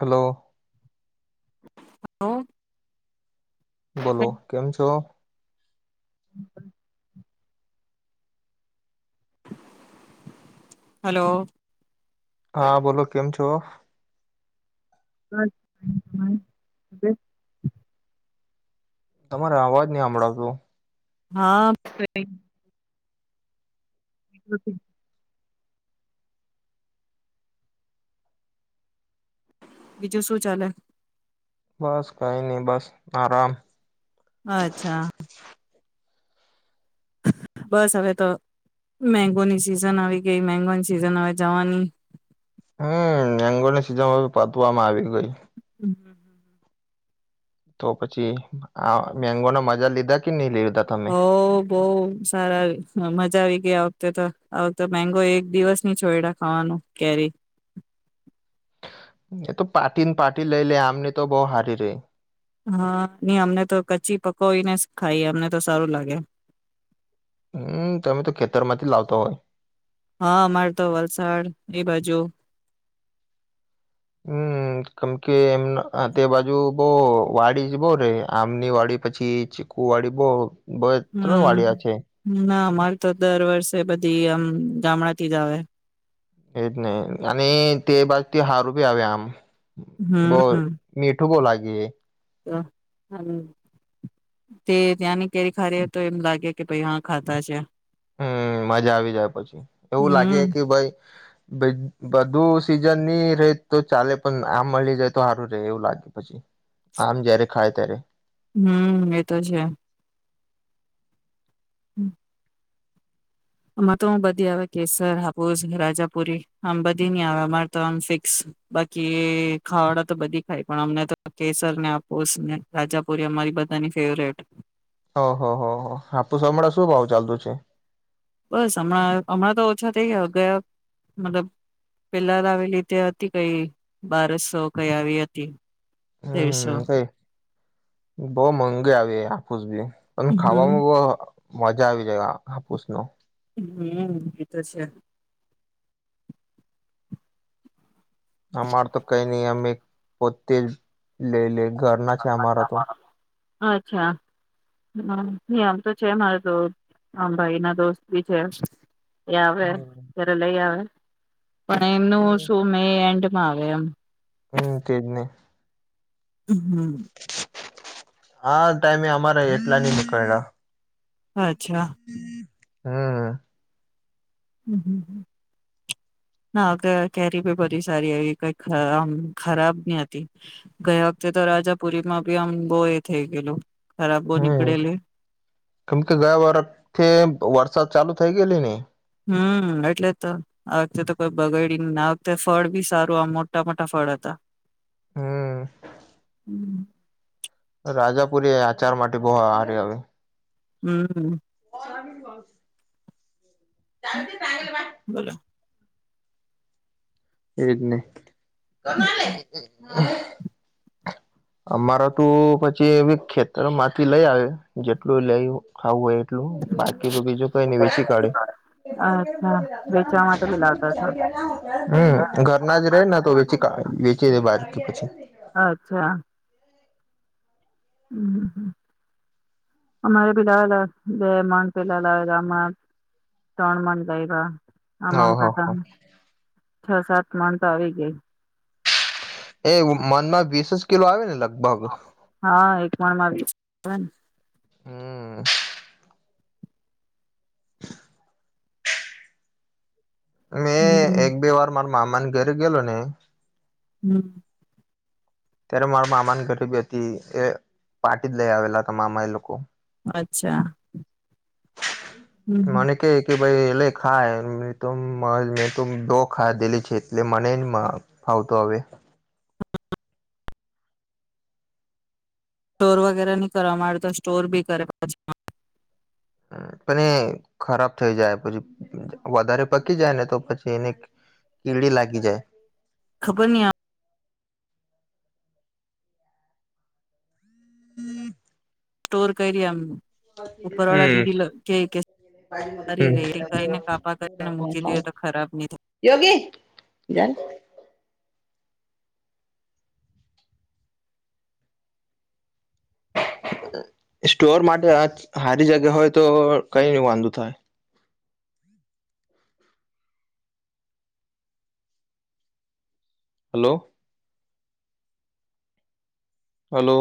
Hello. Hello. બોલો કેમ છો? હમ [inaudible] હલો હા, બોલો, કેમ છો [unintelligible] તમારો અવાજ ની હભડાવતો હા [inaudible] હ [unintelligible] બીજું શું ચાલે બસ કઈ નહી, બસ આરામ અચ્છા બસ હવે તો મેગોની સિઝન આવી ગઈ, મેગોની સિઝન હ જવાની હમ મેંગોની સીઝન હવે પતવામાં આવી ગઈ [unintelligible] તો પછી આ મેંગો ના મજા લીધા કે નહી લીધા તમે હો, બહુ સારા અમધ મજા આવી ગઈ વખતે, તો આ વખતે મેગો એક દિવસ ની છોયડા ખાવાનું કેરી એ તો પાટી ને પાટી લઈ લે આમને તો બવ હારી રેય હા, ની અમને તો કચ્ચી પકોવીને ખાઈ અમને તો સારું લાગે હમ, તમે તો ખેતરમાંથી લાવતો હોય હા, અમારે તો વલસાડ એ બાજુ હમ, કેમ કે એમ તે બાજુ બો વાડી જ બો રે આમની વાડી પછી, ચીકુ વાડી બો બે ત્રણ હમ વાડિયા છે ના અમારે તો દર વર્ષે બધી આમ ગામડાતી જ આવે એજ ને, અને તે બાજથી હારૂબી આવે આમ બો હમ મીઠું બો લાાગે એ. તે ત્યાંની કેરી ખારી તો એમ લાગે કે ભાઈ હા ખાતા છે. હમ મજા આવી જાય પછી એવું લાગે હમ કે ભાઈ બધું સીઝનની રે તો ચાલે પણ આમ મળી જાય તો સારું રહે એવું લાગે પછી, આમ જયારે ખાય ત્યારે. હમ એતો છે. હમ. આમાં તો હું બધી આવે કેસર આપાુસ રાજાપુરી આમ બધી નહી આવે અમારે તો આમ ફિક્સ, બાકી ખાવાડા તો બધી ખાય પણ અમને તો કેસરને આપાુસ રાજાપુરી અમારી બધા ફેવરેટ. ઓહ હો હો આપુસ હમણાં શું ભાવ ચાલતું છે? બસ હમણાં હમણાં તો ઓછા થઈ ગયા ગયા, મતલબ પેલા આવી રીતે હતી કઈ બારસો, કઈ આવી હતી. તેરસો. બહ મોંગી આવે આપુંસ બી. અને હમ ખાવામાં બો મજા આવી જાય હાપુસ નો. હમ એતો છે. અમાર તો કઈ નઈ અમે પોતે લઈ લે. ઘરના છે અમારા તો. અચ્છા, હ ની આમ તો છે મારે તો આમ ભાઈ ના દોસ્ત બી છે. એ યાવે હમ ત્યારે લઈ આવે. પણ એમનું શું મે એન્ડ મા આવે એમ. હમ તેજને. [unintelligible] હા ટાઈમે અમારા એટલા ની નીકળયા. અચ્છા. હમ્મ. ના કે કેરી બી બધ સારી આવી કઈ આ ખર ખરાબ ની હતી, ગયા વખતે તો રાજાપુરીમાં બી આમ બહ એ થઇ ગેલું. હમ, કેમ કે ગયા વરખથી વરસાદ ચાલુ થઇ ગેલી ને. હમ એટલે તો આ વખતે તો કોઈ બગાડી આ વખતે ફળ બી સારું આ મોટા મોટા ફળ હતા. હમ. રાજાપુરી આચાર માટે બહ હારી આવે. હમ. [unintelligible] બોલો. એજ ને. કમાલે. [unintelligible] અમારે તું પછી ખેતરમાંથી લઈ આયે જેટલું લે ખાવું એ. બાકી તો બીજું કઈ નઈ વેચી કાઢે. અચ્છા વેચવા માટે બી લાવતા હતા [unintelligible] હમ ઘરના જ ર રેય ને તો વચી કા બાર કે પછી [unintelligible] અચ્છા અમારે પેલા લા બે મન પેલા લાવલા મા ત્રણ મન લાયવા. હ આમમ હ કરતા, હ છ સાત મન તો આવી ગઈ. એ મન માં વીસસ કિલો આવે ને લગ હા એક મણમાં વીસ આવે. હમ મેં હમ્મ એક બે વાર મારુ મામાની ઘેરે ગેલો ને. હમ. ત્યારે મારા મામાની ગરીબી હતી એ પાારટી જ લઈ આવેલા હતા મામા એ લોકો. અચ્છા. હમ્મ મને કે કે ભાઈ એટલે ખાય તો મેં તો દો ખાધેલી છે એટલે મને ફાવતો હવે. સ્ટોર વગેરે નહી કરવાવામાંડ તો સ્ટોર બી કરે પાછા. પણ ખરાબ થઈ જાય પછી વધારે પકી જાય ને તો પછી એને કીડી લાગી જાય. ખબર ન આ સ્ટોર કરી એમ. ઉપરવાળા હમ દીદી કે કે સારી રે કઈને કાપા કરીને મૂકી દે તો ખરાબ નહી થાય. કે [unintelligible] સ્ટોર માટે આજ સારી જગ્યા હોય તો કઈ વાંધો થાય. હલો. હલો.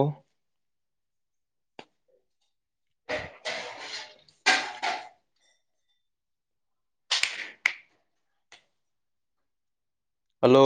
હલો.